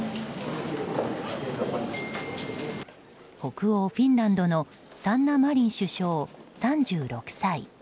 北欧フィンランドのサンナ・マリン首相、３６歳。